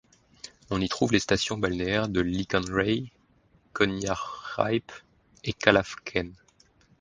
On y trouve les stations balnéaires de Lican Ray, Coñaripe et Calafquén.